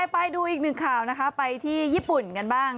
ไปดูอีกหนึ่งข่าวนะคะไปที่ญี่ปุ่นกันบ้าง